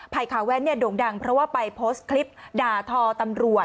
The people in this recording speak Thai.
ขาแว้นเนี่ยโด่งดังเพราะว่าไปโพสต์คลิปด่าทอตำรวจ